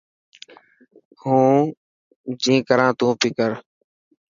هون جين ڪران تو بي ڪر.